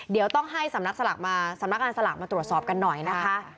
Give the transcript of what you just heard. เดี๋ยวต้องให้สำนักสลากมาสำนักงานสลากมาตรวจสอบกันหน่อยนะคะ